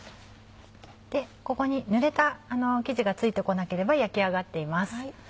ここにぬれた生地が付いて来なければ焼き上がっています。